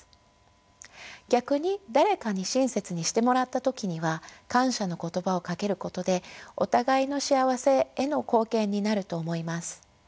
逆に誰かに親切にしてもらった時には感謝の言葉をかけることでお互いの幸せへの貢献になると思います。